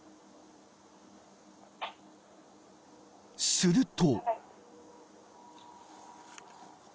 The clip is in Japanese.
［すると］